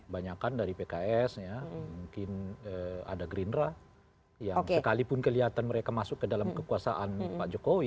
banyakan dari pks ya mungkin ada gerindra yang sekalipun kelihatan mereka masuk ke dalam kekuasaan pak jokowi